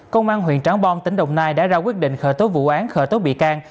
công an huyện trắng bom tỉnh đồng nai đã ra quyết định khởi tố vụ án khởi tố bị can